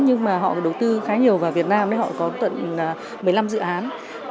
nhưng mà họ đầu tư khá nhiều vào việt nam họ có tận một mươi năm dự án